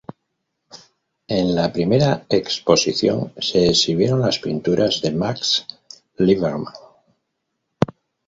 En la primera exposición se exhibieron las pinturas de Max Liebermann.